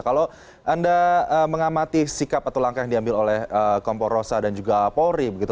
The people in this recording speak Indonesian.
kalau anda mengamati sikap atau langkah yang diambil oleh kompor rosa dan juga polri begitu